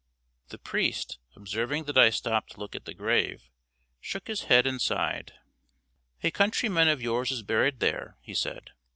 The priest, observing that I stopped to look at the grave, shook his head and sighed. "A countryman of yours is buried there," he said.